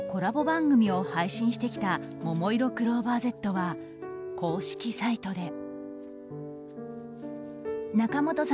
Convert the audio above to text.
番組を配信してきたももいろクローバーＺは公式サイトで。